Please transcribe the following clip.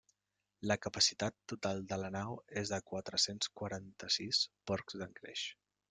La capacitat total de la nau és de quatre-cents quaranta-sis porcs d'engreix.